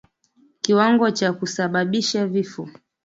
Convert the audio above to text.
Kiwango cha kusababisha vifo